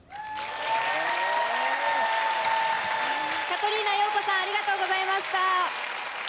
カトリーナ陽子さんありがとうございました。